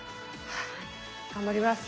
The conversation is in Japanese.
はい頑張ります！